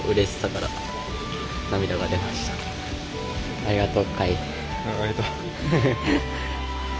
ありがとう。